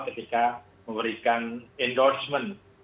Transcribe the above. ketika memberikan endorsement